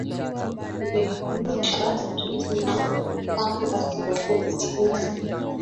amekanusha tuhma ya kwamba kiongozi huyo